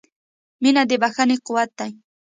• مینه د بښنې قوت دی.